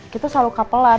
kita selalu kapelan